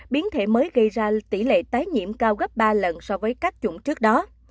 biến thể mới gây ra tỷ lệ tái nhiễm cao gấp ba lần so với các chủng trước đó